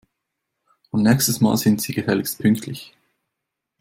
Und nächstes Mal sind Sie gefälligst pünktlich!